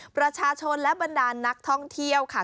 ประชาชนและบรรดานนักท่องเที่ยวค่ะ